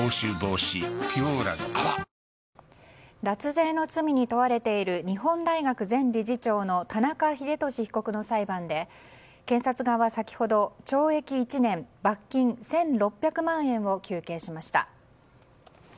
脱税の罪に問われている日本大学前理事長の田中英寿被告の裁判で検察側は先ほど懲役１年罰金１６００万円を求刑しました。